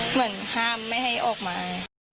เหมือนห้ามไม่ให้ออกมา